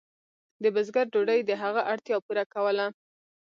د بزګر ډوډۍ د هغه اړتیا پوره کوله.